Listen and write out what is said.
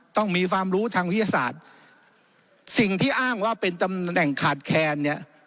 ต้องมีความรู้ทางวิทยาศาสตร์สิ่งที่อ้างว่าเป็นตำแหน่งขาดแคลนเนี่ย